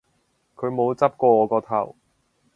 佢冇執過我個頭